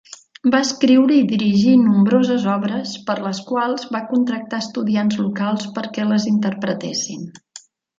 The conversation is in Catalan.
Va escriure i dirigir nombroses obres, per a les quals va contractar estudiants locals perquè les interpretessin.